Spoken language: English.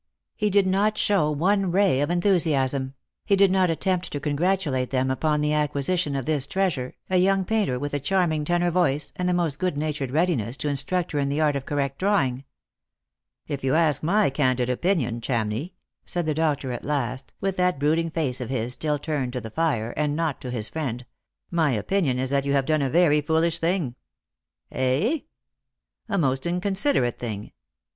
He did aot show one ray of enthusiasm ; he did not attempt to congra tulate them upon the acquisition of this treasure, a young painter with a charming tenor voice and the most good natured readi ness to instruct her in the art of correct drawing. " If you ask my candid opinion, Chamney," said the doctor at Lost for Love. 35 last, with that brooding face of his still turned to the fire, and not to his friend, " my opinion is that you have done a very foolish thing." "Eh?" " A most inconsiderate thing.